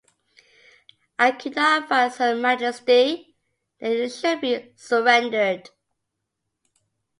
I could not advise Her Majesty that it should be surrendered.